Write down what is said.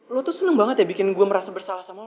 lo tuh seneng banget ya bikin gue merasa bersalah sama